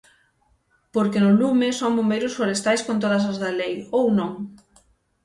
Porque no lume son bombeiros forestais con todas as da lei, ¿ou non?